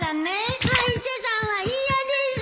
歯医者さんは嫌です！